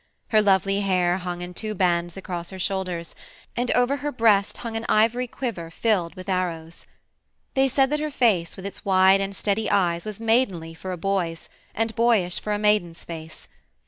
Her lovely hair hung in two bands across her shoulders, and over her breast hung an ivory quiver filled with arrows. They said that her face with its wide and steady eyes was maidenly for a boy's, and boyish for a maiden's face.